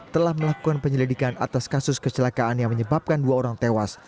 telah melakukan penyelidikan atas kasus kecelakaan yang menyebabkan dua orang tewas